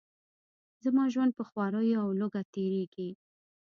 زما ژوند په خواریو او لوږه تیریږي.